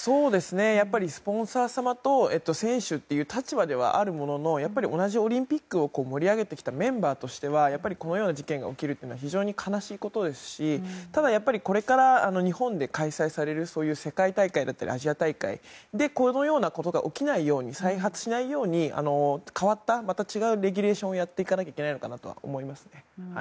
やっぱり、スポーツ様と選手という立場ではあるものの同じオリンピックを盛り上げてきたメンバーとしてはやっぱり、このような事件が起きるというのは非常に悲しいことですしただ、これから日本で開催される世界大会だったりアジア大会でこのようなことが起きないように再発しないように変わった違うレギュレーションをやっていかないといけないのかなと思います。